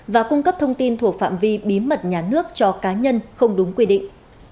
và cung cấp thông tin thuộc phạm vi bí mật nhà nước cho cá nhân không đúng quy định